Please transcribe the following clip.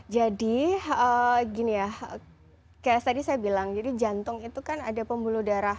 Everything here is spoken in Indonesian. jadi gini ya kayak tadi saya bilang jadi jantung itu kan ada pembuluh darah